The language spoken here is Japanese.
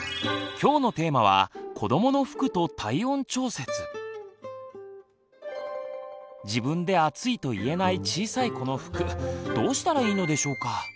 今日のテーマは自分で暑いと言えない小さい子の服どうしたらいいのでしょうか。